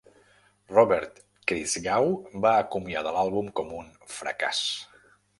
Robert Christgau va acomiadar l'àlbum com un "fracàs".